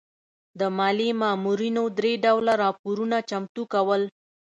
د مالیې مامورینو درې ډوله راپورونه چمتو کول.